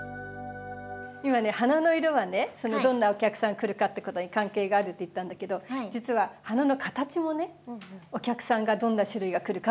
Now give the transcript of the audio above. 今ね花の色はねどんなお客さん来るかってことに関係があるって言ったんだけど実は花の形もねお客さんがどんな種類が来るかってことと関係があるんですね。